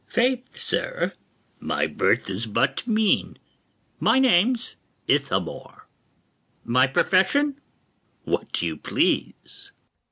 Faith, sir, my birth is but mean; my name's Ithamore; my profession what you please.